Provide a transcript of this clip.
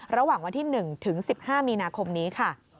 ระหว่างวันที่๑ถึง๑๕มีนาคมนี้ค่ะ